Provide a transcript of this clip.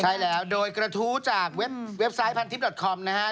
ใช่แล้วโดยกระทู้จากเว็บไซต์พันทิพยอตคอมนะฮะ